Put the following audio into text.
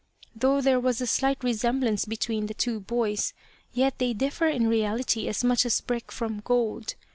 Though there was a slight resem blance between the two boys, yet they differ in reality as much as brick from gold.